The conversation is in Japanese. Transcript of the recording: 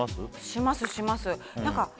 します、します。